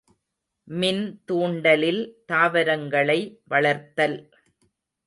மின் தூண்டலில் தாவரங்களை வளர்த்தல்.